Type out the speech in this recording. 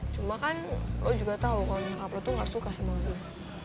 cuma kan lo juga tau kalo nyokap lo tuh gak suka sama gue